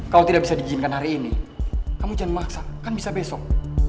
kalau tidak bisa diizinkan hari ini kamu jangan memaksa kan bisa besok